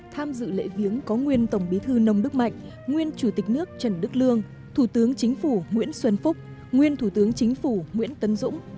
tham dự lễ viếng có nguyên tổng bí thư nông đức mạnh nguyên chủ tịch nước trần đức lương thủ tướng chính phủ nguyễn xuân phúc nguyên thủ tướng chính phủ nguyễn tấn dũng